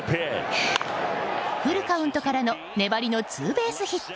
フルカウントからの粘りのツーベースヒット。